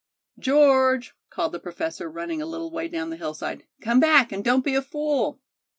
"George," called the professor, running a little way down the hillside, "come back and don't be a fool."